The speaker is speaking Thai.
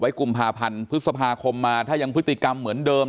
กุมภาพันธ์พฤษภาคมมาถ้ายังพฤติกรรมเหมือนเดิม